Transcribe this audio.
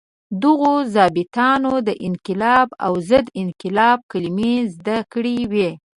دغو ظابیطانو د انقلاب او ضد انقلاب کلمې زده کړې وې.